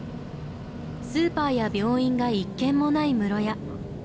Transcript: スーパーや病院が１軒もない室谷。